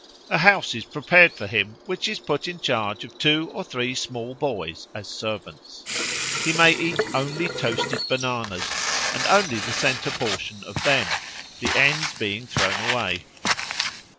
A house is prepared for him which is put in charge of two or three small boys as servants. He may eat only toasted bananas, and only the centre portion of them the ends being thrown away.